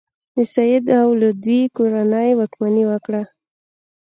د سید او لودي کورنۍ واکمني وکړه.